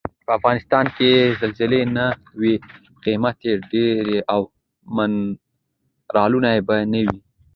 په افغنستان کې که زلزلې نه وای قیمتي ډبرې او منرالونه به نه وای.